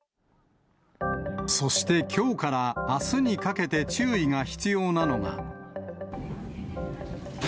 そしてきょうからあすにかけて注意が必要なのが。